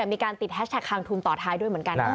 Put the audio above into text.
มีการติดแฮชแท็กคางทุนต่อท้ายด้วยเหมือนกัน